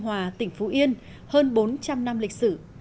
nó là nơi hòa tỉnh phú yên hơn bốn trăm linh năm lịch sử